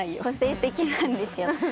個性的なんですよ。